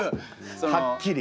はっきり？